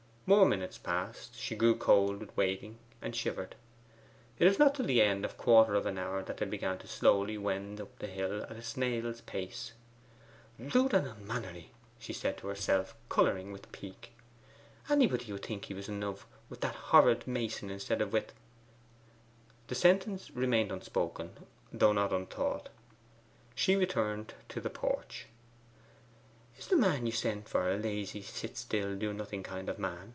More minutes passed she grew cold with waiting, and shivered. It was not till the end of a quarter of an hour that they began to slowly wend up the hill at a snail's pace. 'Rude and unmannerly!' she said to herself, colouring with pique. 'Anybody would think he was in love with that horrid mason instead of with ' The sentence remained unspoken, though not unthought. She returned to the porch. 'Is the man you sent for a lazy, sit still, do nothing kind of man?